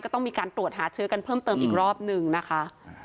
ต้องมีการตรวจหาเชื้อกันเพิ่มเติมอีกรอบหนึ่งนะคะ